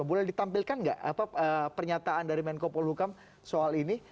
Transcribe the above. boleh ditampilkan enggak pernyataan dari menko poluka soal ini